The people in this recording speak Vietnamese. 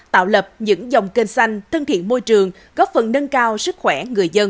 tạo lập những dòng kênh xanh thân thiện môi trường góp phần nâng cao sức khỏe người dân